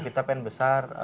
kita pengen besar